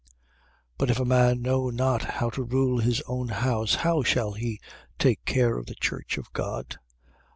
3:5. But if a man know not how to rule his own house, how shall he take care of the church of God?